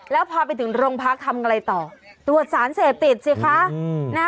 แล้วพอไปถึงโรงพักทำอะไรต่อตรวจสารเสพติดสิคะ